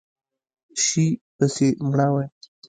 شي پسې مړاوی